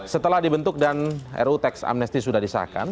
setelah dibentuk dan ruu teks amnesti sudah disahkan